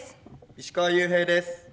石川裕平です。